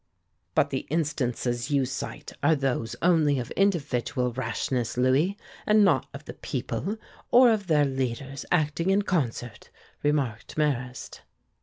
"But the instances you cite are those only of individual rashness, Louis, and not of the people, or of their leaders acting in concert," remarked Marrast.